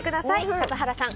笠原さん